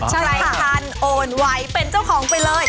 ใครทันโอนไหวเป็นเจ้าของไปเลย